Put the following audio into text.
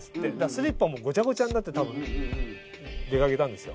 スリッパもごちゃごちゃになってたぶん出掛けたんですよ。